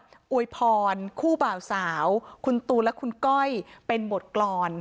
โวยพรคู่เสาร์คุณตูนและคุณก้อยเป็นบทกลอน